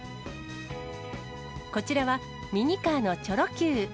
こちらは、ミニカーのチョロＱ。